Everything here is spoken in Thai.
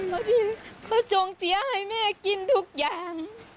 เพราะที่เขาทรงเสียให้แม่กินทุกอย่าง